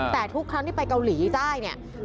แต่ทุกครั้งที่ไปเกาหลีใต้เนี่ย